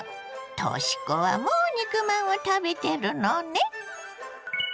とし子はもう肉まんを食べてるのね。